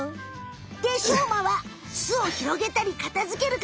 でしょうまは巣をひろげたり片づける係。